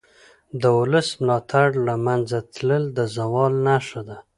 د ولس ملاتړ له منځه تلل د زوال نښه ده